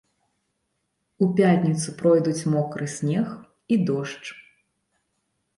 У пятніцу пройдуць мокры снег і дождж.